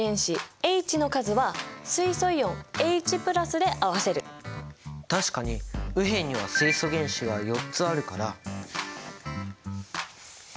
じゃあ確かに右辺には水素原子が４つあるから。